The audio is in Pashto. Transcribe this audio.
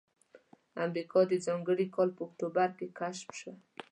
امریکا د ځانګړي کال په اکتوبر کې کشف شوه.